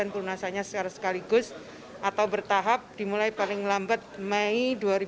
perunasannya sekaligus atau bertahap dimulai paling lambat mei dua ribu dua puluh satu